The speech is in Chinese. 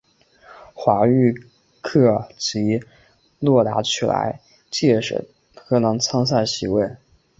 华域克及洛达取得来届荷甲参赛席位。